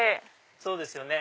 そうですよね。